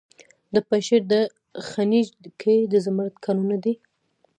د پنجشیر په خینج کې د زمرد کانونه دي.